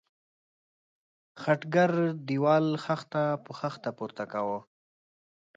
خټګر د دېوال خښته په خښته پورته کاوه.